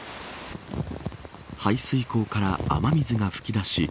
排水溝から雨水が噴き出し